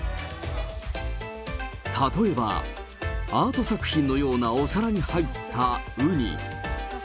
例えば、アート作品のようなお皿に入ったウニ。